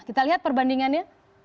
kita lihat perbandingannya